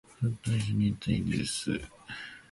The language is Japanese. ずっと一緒にいたいです